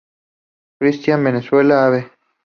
Cristianía, Venezuela, Av.